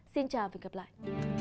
xin chào và hẹn gặp lại